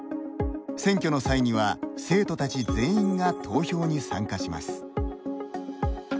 選挙の際には生徒たち全員が投票に参加します。